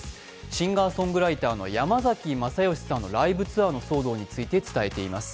シンガーソングライターの山崎まさよしさんのライブツアーの騒動について伝えています。